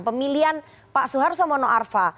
pemilihan pak soeharto mono arfa